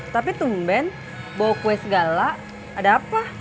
tapi tung ben bawa kue segala ada apa